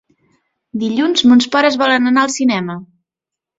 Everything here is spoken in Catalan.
Dilluns mons pares volen anar al cinema.